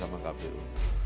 publik sangat percaya kpu